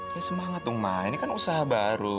ya semangat dong mah ini kan usaha baru